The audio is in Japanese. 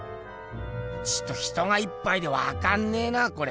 ちと人がいっぱいでわかんねえなこれ。